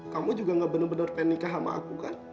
kamu juga gak bener bener kayak nikah sama aku kan